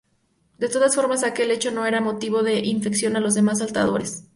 De todas formas aquel hecho no era motivo de infección a los demás saltadores.